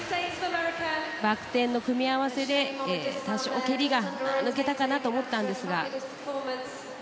バク転の組み合わせで多少蹴りが抜けたかなと思ったんですが。